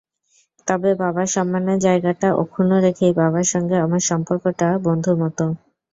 তবে বাবার সম্মানের জায়গাটা অক্ষুণ্ন রেখেই বাবার সঙ্গে আমার সম্পর্কটা বন্ধুর মতো।